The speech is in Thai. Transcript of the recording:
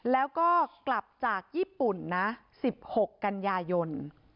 แล้วก็กลับจากญี่ปุ่นนะ๑๖กันยายน